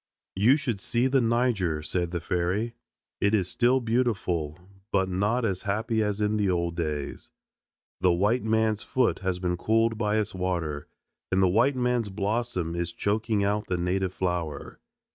"You should see the Niger," said the fairy. "It is still beautiful, but not as happy as in the old days. The white man's foot has been cooled by its water, and the white man's blossom is choking out the native flower."